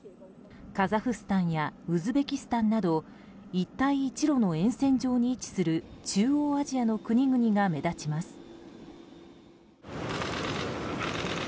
カザフスタンやウズベキスタンなど一帯一路の沿線上に位置する中央アジアの国々が目立ちます。